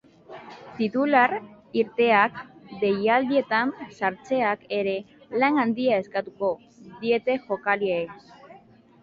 Titular irteteak, deialdietan sartzeak ere, lan handia eskatuko diete jokalariei.